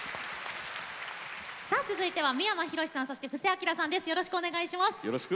続いては、三山ひろしさん布施明さんです。